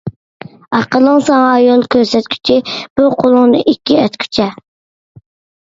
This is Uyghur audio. ئەقلىڭ ساڭا يول كۆرسەتكۈچە، بىر قولۇڭنى ئىككى ئەتكۈچە.